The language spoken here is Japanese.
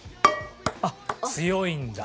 あっ強いんだ。